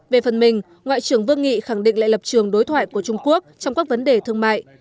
về phần mình ngoại trưởng vương nghị khẳng định lại lập trường đối thoại của trung quốc trong các vấn đề thương mại